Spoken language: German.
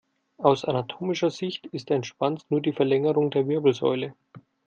Aus anatomischer Sicht ist ein Schwanz nur die Verlängerung der Wirbelsäule.